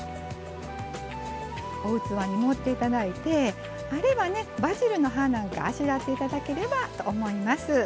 お器に盛っていただいてあればバジルの葉なんかあしらっていただければと思います。